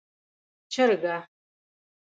🐔 چرګه